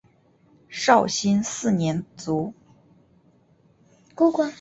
绍兴四年卒。